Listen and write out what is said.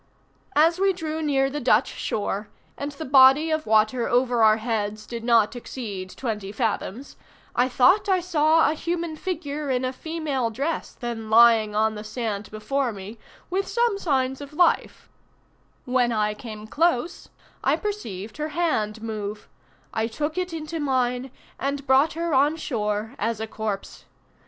"As we drew near the Dutch shore, and the body of water over our heads did not exceed twenty fathoms, I thought I saw a human figure in a female dress then lying on the sand before me with some signs of life; when I came close I perceived her hand move: I took it into mine, and brought her on shore as a corpse.